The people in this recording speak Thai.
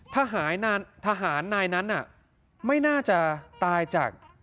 ทหารนายนั้นไม่น่าจะตายจาก